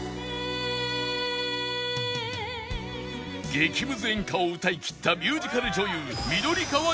激ムズ演歌を歌いきったミュージカル女優緑川静香